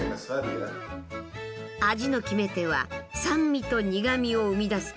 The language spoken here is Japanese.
味の決め手は酸味と苦味を生み出す